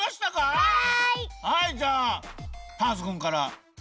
はいじゃあターズくんから。